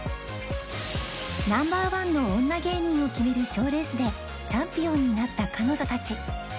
ナンバーワンの女芸人を決める賞レースでチャンピオンになった彼女たち